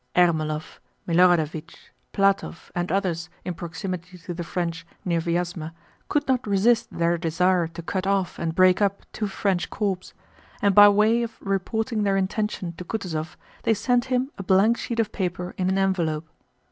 Ermólov, Milorádovich, Plátov, and others in proximity to the French near Vyázma could not resist their desire to cut off and break up two French corps, and by way of reporting their intention to Kutúzov they sent him a blank sheet of paper in an envelope.